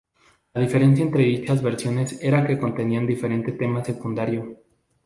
La diferencia entre dichas versiones era que contenían diferente tema secundario.